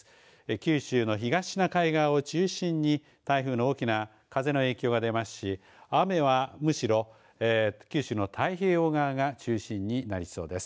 九州の東の海岸を中心に台風の大きな風の影響が出ますし雨はむしろ、九州の太平洋側が中心になりそうです。